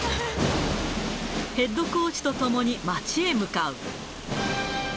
ヘッドコーチと共に、街へ向かう。